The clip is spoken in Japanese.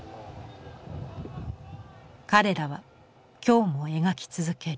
彼らは今日も描き続ける。